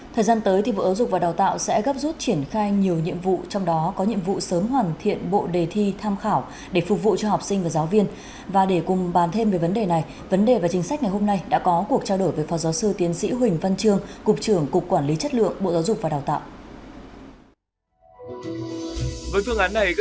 thời gian tới bộ giáo dục và đào tạo sẽ gấp rút triển khai nhiều nhiệm vụ trong đó có nhiệm vụ sớm hoàn thiện bộ đề thi tham khảo để phục vụ cho học sinh và giáo viên và để cùng bàn thêm về vấn đề này vấn đề và chính sách ngày hôm nay đã có cuộc trao đổi với phó giáo sư tiến sĩ huỳnh văn trương cục trưởng cục quản lý chất lượng bộ giáo dục và đào tạo